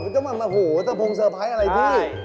มันจะมาหูเอาเจ้าพงเซอร์ไพรส์อะไรที่ใช่